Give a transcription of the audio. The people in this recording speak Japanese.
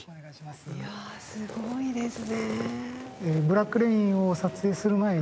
いやすごいですね。